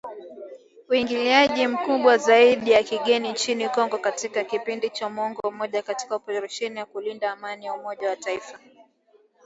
Uingiliaji mkubwa zaidi wa kigeni nchini Congo katika kipindi cha muongo mmoja kando na operesheni ya kulinda amani ya Umoja wa mataifa.